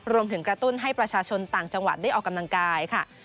รวมถึงกระตุ้นให้ประชาชนต่างจังหวัดได้ออกกำลังกายค่ะ